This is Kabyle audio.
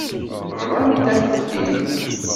Bḍant-am-t-id.